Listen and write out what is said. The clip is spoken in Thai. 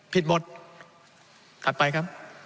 ผิดหมดถัดไปครับ